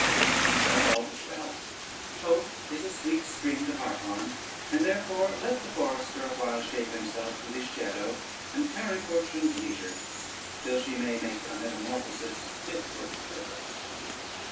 But all was well; hope is a sweet string to harp on, and therefore let the forester awhile shape himself to his shadow, and tarry fortune's leisure, till she may make a metamorphosis fit for his purpose.